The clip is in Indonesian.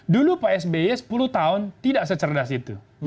dulu pak sby sepuluh tahun tidak secerdas itu